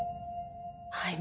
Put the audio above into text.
はい。